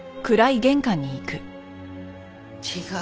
違う。